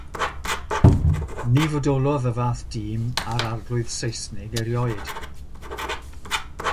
Ni fodolodd y fath dîm â'r Arglwyddi Seisnig erioed.